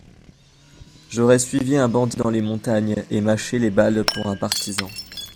J'aurais suivi un bandit dans les montagnes, et mâché les balles pour un partisan.